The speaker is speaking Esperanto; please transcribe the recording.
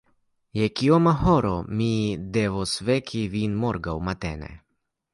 Je kioma horo mi devos veki vin morgaŭ matene?